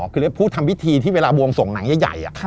คือผู้ทำพิธีที่เวลาบวงส่งหนังใหญ่